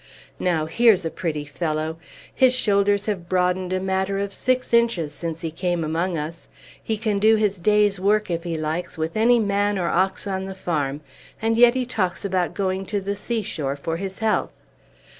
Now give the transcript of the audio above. "Now, here's a pretty fellow! His shoulders have broadened a matter of six inches since he came among us; he can do his day's work, if he likes, with any man or ox on the farm; and yet he talks about going to the seashore for his health!